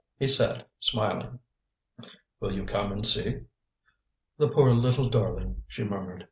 He said, smiling: "Will you come and see?" "The poor little darling!" she murmured.